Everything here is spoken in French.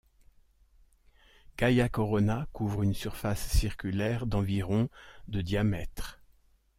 Gaia Corona couvre une surface circulaire d'environ de diamètre.